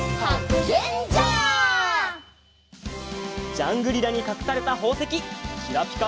ジャングリラにかくされたほうせききらぴか